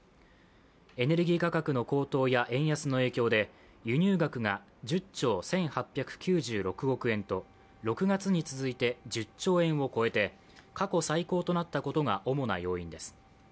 エネルギー価格の高騰や円安の影響で輸入額が１０兆１８９６億円と６月に続いて１０兆円を超えて過去最高となったことが主な要因です。